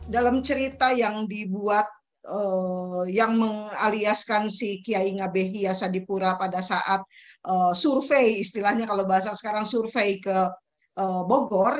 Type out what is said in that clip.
dalam cerita yang dibuat yang mengaliaskan si kiai ngabehi ya sadipura pada saat survei istilahnya kalau bahasa sekarang survei ke bogor